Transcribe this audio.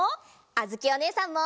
あづきおねえさんも。